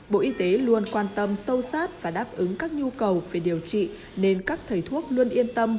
bộ y tế luôn quan tâm sâu sát và đáp ứng các nhu cầu về điều trị nên các thầy thuốc luôn yên tâm